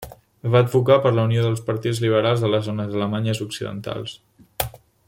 Va advocar per la unió dels partits liberals de les zones alemanyes occidentals.